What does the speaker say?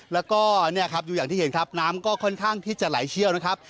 แล้วก็เนี่ยครับดูอย่างที่เห็นครับน้ำก็ค่อนข้างที่จะไหลเชี่ยวนะครับ